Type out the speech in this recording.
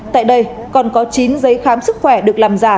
tại đây còn có chín giấy khám sức khỏe được làm giả